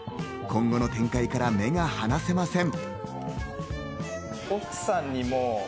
今後の展開から目が離せません。